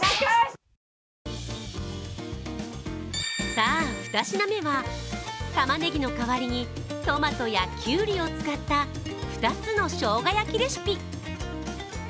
さあ、２品目は、たまねぎの代わりにトマトやきゅうりを使った２つのしょうが焼きレシピ。